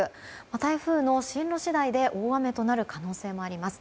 台風の進路次第で大雨となる可能性もあります。